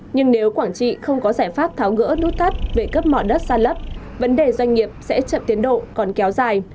nhưng nếu quảng trị không có giải pháp tháo ngỡ nút tắt về cấp mỏ đất sàn lấp vấn đề doanh nghiệp sẽ chậm tiến độ còn kéo dài